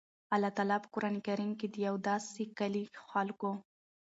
الله تعالی په قران کريم کي د يو داسي کلي خلکو